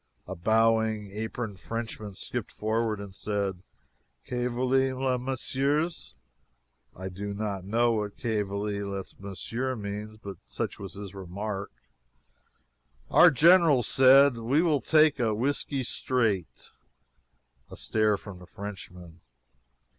A bowing, aproned Frenchman skipped forward and said: "Que voulez les messieurs?" I do not know what "Que voulez les messieurs?" means, but such was his remark. Our general said, "We will take a whiskey straight." [A stare from the Frenchman.